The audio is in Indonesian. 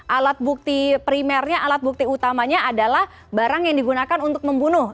alat bukti primernya alat bukti utamanya adalah barang yang digunakan untuk membunuh